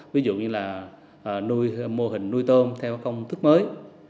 ví dụ như là nuôi mô hình nuôi tôm theo công thức mới